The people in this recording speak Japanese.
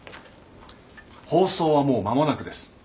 放送はもう間もなくです。